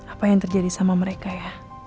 apa yang terjadi sama mereka ya